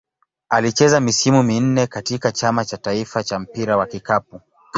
Alicheza misimu minne katika Chama cha taifa cha mpira wa kikapu.